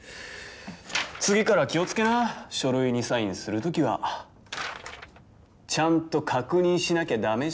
次から気をつけな書類にサインするときはちゃんと確認しなきゃダメじゃーん